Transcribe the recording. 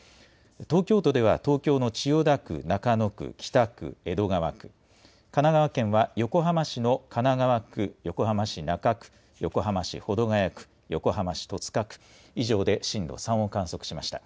東京都では東京の千代田区、中野区、北区、江戸川区、神奈川県は横浜市の神奈川区、横浜市中区、横浜市保土ケ谷区、横浜市戸塚区、以上で震度３を観測しました。